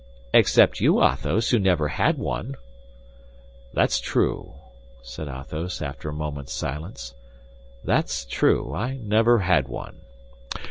"Except you, Athos, who never had one." "That's true," said Athos, after a moment's silence, "that's true! I never had one!